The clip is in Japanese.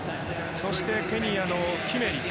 そしてケニアのキメリ。